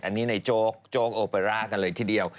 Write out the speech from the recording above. อันนี้ในโจ๊กโอเบอร์าร์กันเลยทีเดียว